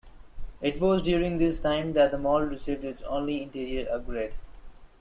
It was during this time that the mall received its only interior upgrade.